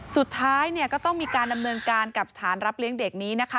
สุดท้ายก็ต้องมีการดำเนินการกับสถานรับเลี้ยงเด็กนี้นะคะ